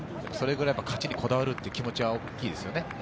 それくらい勝ちにこだわるという気持ちは大きいですね。